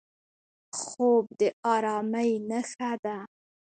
خوب د ارامۍ نښه ده